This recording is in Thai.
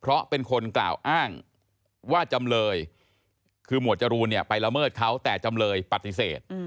เพราะเป็นคนกล่าวอ้างว่าจำเลยคือหมวดจรูนเนี่ยไปละเมิดเขาแต่จำเลยปฏิเสธ